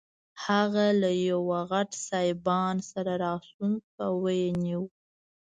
هغه له یوه غټ سایبان سره راستون شو او ویې نیو.